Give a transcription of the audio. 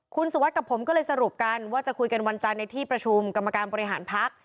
คุณสุวัสดิ์กับผมก็เลยสรุปกันว่าจะคุยกันวันจันทร์ในที่ประชุมกรรมการบริหารพัก